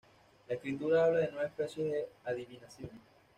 La Escritura habla de nueve especies de adivinación.